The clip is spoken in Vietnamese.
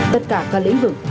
tất cả các lĩnh vực